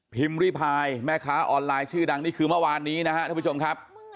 พิมพ์รีพายแม่ค้าออนไลน์ชื่อดังนี่คือเมื่อวานนี้นะฮะทุกผู้ชมครับ